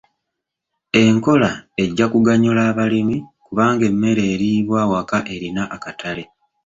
Enkola ejja kuganyula abalimi kubanga emmere eriibwa awaka erina akatale.